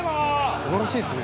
素晴らしいですね。